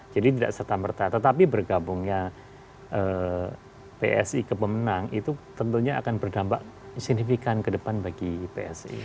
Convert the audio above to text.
jadi tidak serta merta tetapi bergabungnya psi ke pemenang itu tentunya akan berdampak signifikan ke depan bagi psi